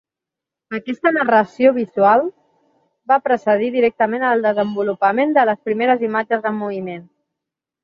Aquesta narració visual va precedir directament al desenvolupament de les primeres imatges en moviment.